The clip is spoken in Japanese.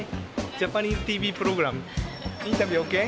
ジャパニーズＴＶプログラムインタビューオーケー？